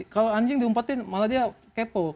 kalau anjing diumpetin malah dia kepo